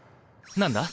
何だ？